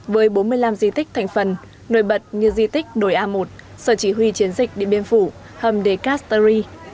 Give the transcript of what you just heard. với bốn mươi năm di tích thành phần nổi bật như di tích đồi a một sở chỉ huy chiến dịch điện biên phủ hầm decastory